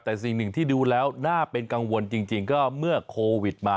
แต่สิ่งหนึ่งที่ดูแล้วน่าเป็นกังวลจริงก็เมื่อโควิดมา